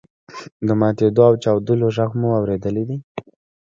د ماتیدو او چاودلو غږ مو اوریدلی دی.